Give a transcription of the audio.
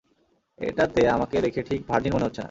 এটাতে আমাকে দেখে ঠিক ভার্জিন মনে হচ্ছে না।